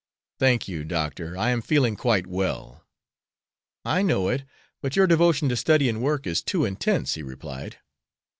"Thank you, Doctor, I am feeling quite well." "I know it, but your devotion to study and work is too intense," he replied.